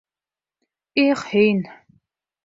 Их, һин!